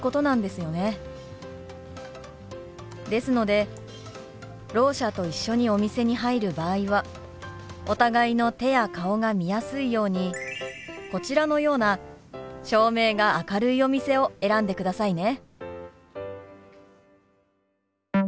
ですのでろう者と一緒にお店に入る場合はお互いの手や顔が見やすいようにこちらのような照明が明るいお店を選んでくださいね。